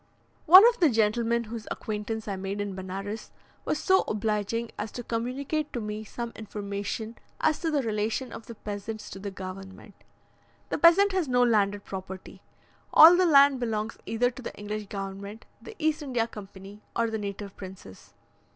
One of the gentlemen whose acquaintance I made in Benares, was so obliging as to communicate to me some information as to the relation of the peasants to the government. The peasant has no landed property. All the land belongs either to the English government, the East India Company, or the native princes.